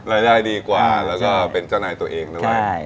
รายได้ดีกว่าแล้วก็เป็นเจ้านายตัวเองด้วย